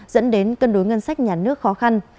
dẫn đến cân đối ngân sách nhà nước khó khăn